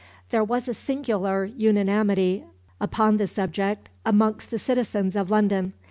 '" There was a singular unanimity upon the subject amongst the citizens of London.